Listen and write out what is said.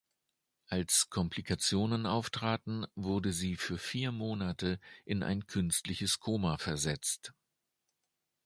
Als Komplikationen auftraten, wurde sie für vier Monate in ein künstliches Koma versetzt.